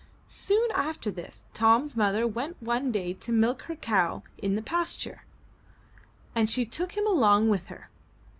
Soon after this, Tom's mother went one day to milk her cow in the pasture, and she took him along with her.